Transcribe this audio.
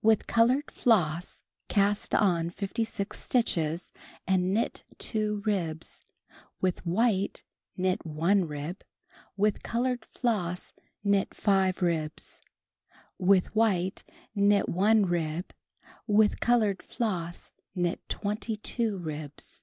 With colored floss cast on 56 stitches and Icnit 2 ribs, with white knit 1 rib, with colored floss knit 5 ribs, with white knit 1 rib, with colored floss knit 22 ribs.